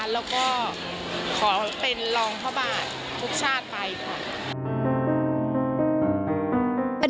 แล้วก็ขอเป็นรองพระบาททุกชาติไปค่ะ